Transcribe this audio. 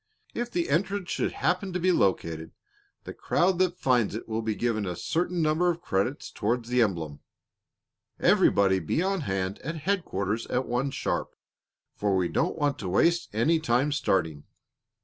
If the entrance should happen to be located, the crowd that finds it will be given a certain number of credits toward the emblem. Everybody be on hand at headquarters at one sharp, for we don't want to waste any time starting."